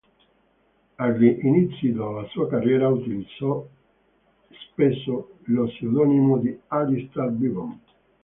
Agli inizi della sua carriera, utilizzò spesso lo pseudonimo di Alistair Bevan.